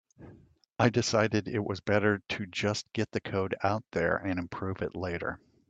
I decided it was better to just get the code out there and improve it later.